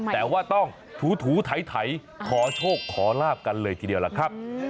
แต่ว่าต้องถูไถขอโชคขอลาบกันเลยทีเดียวล่ะครับ